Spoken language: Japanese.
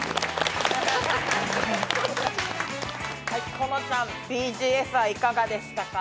このちゃん、ＢＧＳはいかがでしたか？